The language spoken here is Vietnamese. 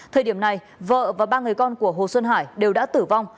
thời điểm này vợ và ba người con của hồ xuân hải đều đã tử vong